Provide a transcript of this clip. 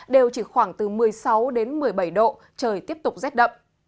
đều chỉ khoảng từ một mươi sáu đến một mươi bảy độ trời tiếp tục rét đậm